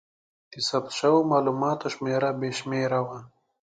د ثبت شوو مالوماتو شمېر بې شمېره و.